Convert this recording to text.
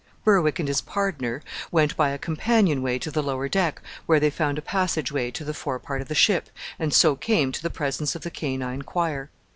Berwick and his "pardner" went by a companion way to the lower deck, where they found a passage way to the fore part of the ship, and so came to the presence of the canine choir.